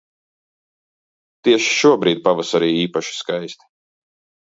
Tieši šobrīd pavasarī īpaši skaisti.